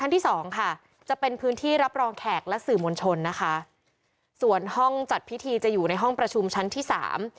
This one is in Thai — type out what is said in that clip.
ที่สองค่ะจะเป็นพื้นที่รับรองแขกและสื่อมวลชนนะคะส่วนห้องจัดพิธีจะอยู่ในห้องประชุมชั้นที่สาม